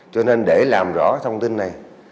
cho nên để làm rõ thông tin này